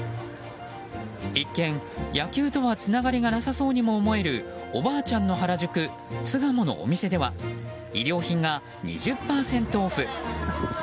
一見、野球とはつながりがなさそうにも思えるおばあちゃんの原宿巣鴨のお店では衣料品が２０％オフ。